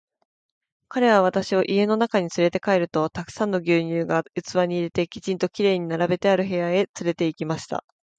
彼は私を家の中へつれて帰ると、たくさんの牛乳が器に入れて、きちんと綺麗に並べてある部屋へつれて行きました。